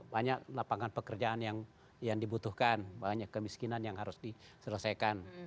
banyak lapangan pekerjaan yang dibutuhkan banyak kemiskinan yang harus diselesaikan